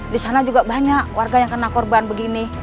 di sana juga banyak warga yang kena korban begini